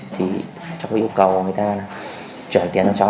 thì cháu có yêu cầu người ta là chuyển tiền cho cháu